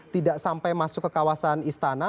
tidak sampai masuk ke kawasan istana